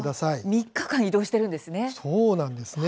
３日間移動しているんですね。